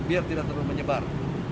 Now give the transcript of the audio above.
biar tidak terlalu menyebar